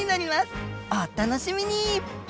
おっ楽しみに！